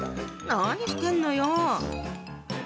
何してんのよ？